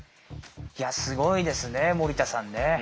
いやすごいですね森田さんね。